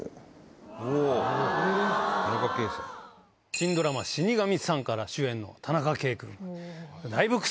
新ドラマ『死神さん』から主演の田中圭君。